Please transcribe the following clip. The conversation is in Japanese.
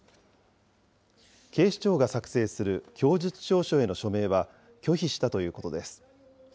警視庁が作成する供述調書への署名は拒否したということです。